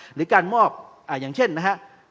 หรือการมอบอย่างเช่นนะครับ